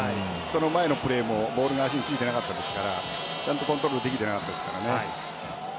その前のプレーもボールが足についてなかったですからちゃんとコントロールをできてなかったですから。